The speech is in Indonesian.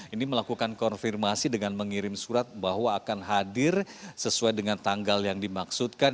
ini melakukan konfirmasi dengan mengirim surat bahwa akan hadir sesuai dengan tanggal yang dimaksudkan